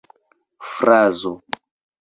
frazo